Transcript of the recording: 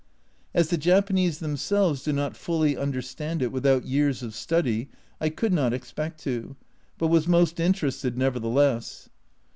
As the Japanese themselves do not fully understand it without years of study, I could not expect to, but was most interested nevertheless.